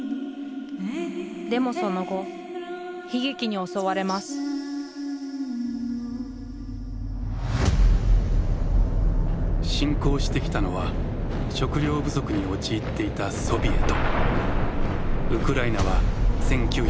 でもその後悲劇に襲われます侵攻してきたのは食糧不足に陥っていたソビエト。